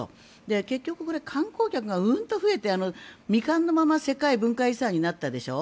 結局、観光客がうんと増えて未完のまま世界文化遺産になったでしょう。